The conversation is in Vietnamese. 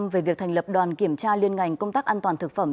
về việc thành lập đoàn kiểm tra liên ngành công tác an toàn thực phẩm